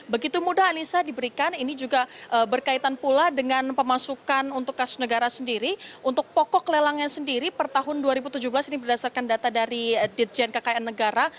begitu mudah anissa diberikan ini juga berkaitan pula dengan pemasukan untuk kasus negara sendiri untuk pokok lelangnya sendiri per tahun dua ribu tujuh belas ini berdasarkan data dari dirjen kkn negara